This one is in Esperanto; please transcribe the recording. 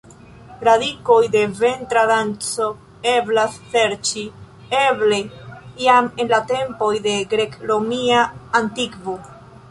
Radikoj de ventra danco eblas serĉi eble jam en la tempoj de grek-romia antikvo.